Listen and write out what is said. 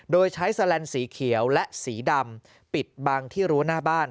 โดยใช้แสลนด์สีเขียวและสีดำปิดบังที่รั้วหน้าบ้าน